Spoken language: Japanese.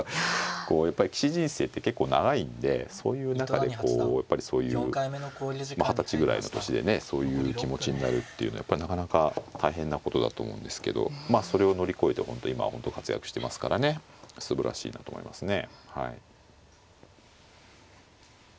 こうやっぱり棋士人生って結構長いんでそういう中でこうやっぱりそういう二十歳ぐらいの年でねそういう気持ちになるっていうのはやっぱりなかなか大変なことだと思うんですけどまあそれを乗り越えて本当今活躍してますからねすばらしいなと思いますね。